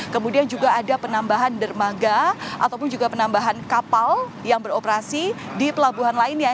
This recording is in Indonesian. kemudian juga ada penambahan dermaga ataupun juga penambahan kapal yang beroperasi di pelabuhan lainnya